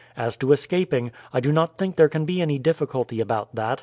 As to escaping, I do not think there can be any difficulty about that.